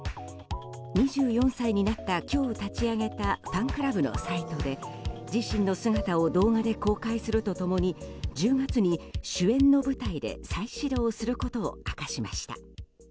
２４歳になった今日立ち上げたファンクラブのサイトで自身の姿を動画で公開すると共に１０月に主演の舞台で再始動することを明かしました。